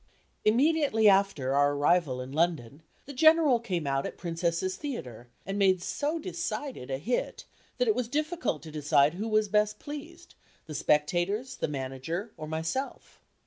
Immediately after our arrival in London, the General came out at the Princess's Theatre, and made so decided a "hit" that it was difficult to decide who was best pleased, the spectators, the manager, or myself.